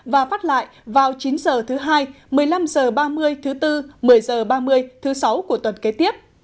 và phát lại vào chín h thứ hai một mươi năm h ba mươi thứ bốn một mươi h ba mươi thứ sáu của tuần kế tiếp